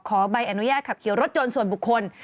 ใบอนุญาตขับขี่รถยนต์ส่วนบุคคล